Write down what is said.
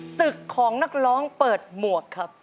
ศึกของนักร้องเปิดหมวกครับ